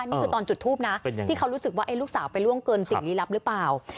นี่คือตอนจุดทูปนะที่เขารู้สึกว่าลูกสาวไปล่วงเกินสิ่งลี้ลับหรือเปล่า